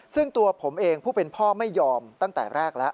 ซึ่งตัวผมเองผู้เป็นพ่อไม่ยอมตั้งแต่แรกแล้ว